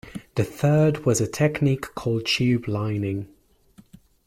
The third was a technique called tube lining.